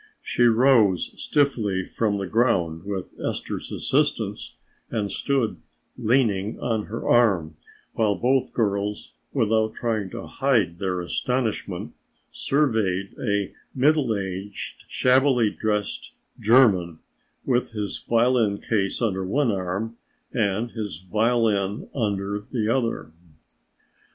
She rose stiffly from the ground with Esther's assistance and stood leaning on her arm, while both girls without trying to hide their astonishment surveyed a middle aged, shabbily dressed German with his violin case under one arm and his violin under the other.